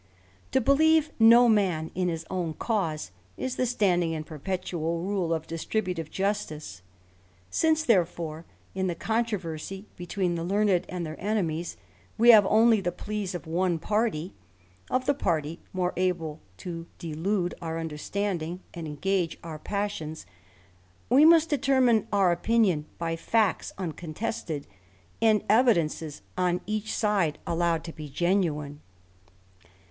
To beheve no man in his own cause, is the standing and perpetual rule of distributive justice. Since therefore, in ihc controversy between the learned and their enemies, we have only the pleas of one party, of the party more able to delude out understandings, and engage our passions, we niuu determine our opinion by facts uncontested, and evidences on each side allowed to be genuine. THE RAMBLER.